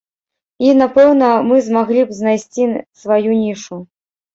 І, напэўна, мы змаглі б знайсці сваю нішу.